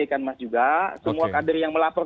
kan mas juga oke semua kader yang melapor